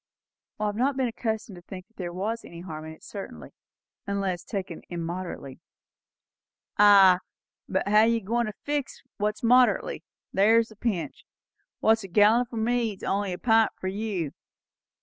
"I have not been accustomed to think there was any harm in it certainly, unless taken immoderately." "Ay, but how're you goin' to fix what's moderately? there's the pinch. What's a gallon for me's only a pint for you.